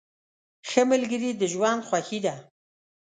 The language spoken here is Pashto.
ښه ملګري د ژوند خوښي ده.